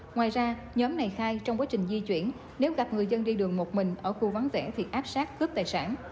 ngoài ra nhóm này khai trong quá trình di chuyển nếu gặp người dân đi đường một mình ở khu vắng vẻ thì áp sát cướp tài sản